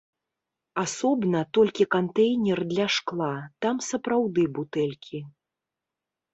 Асобна толькі кантэйнер для шкла, там сапраўды бутэлькі.